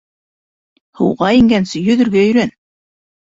Һыуға ингәнсе, йөҙөргә өйрән.